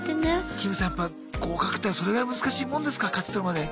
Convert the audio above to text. キムさんやっぱ合格ってそれぐらい難しいもんですか勝ち取るまで。